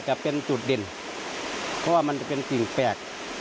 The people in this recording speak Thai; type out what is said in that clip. แต่เป็นจุดเด่นเพราะว่ามันจะเป็นสิ่งแปลก